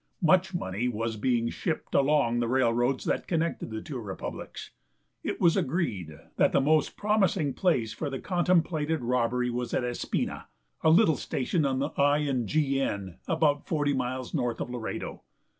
Much money was being shipped along the railroads that connected the two republics. It was agreed that the most promising place for the contemplated robbery was at Espina, a little station on the I. and G. N., about forty miles north of Laredo.